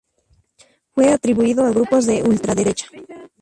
Fue atribuido a grupos de ultraderecha.